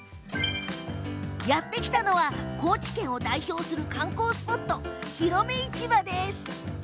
やって来たのは高知県を代表する観光スポットひろめ市場です。